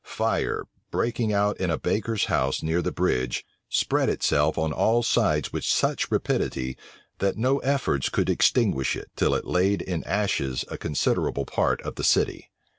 Fire, breaking out in a baker's house near the bridge, spread itself on all sides with such rapidity, that no efforts could extinguish it, till it laid in ashes a considerable part of the city.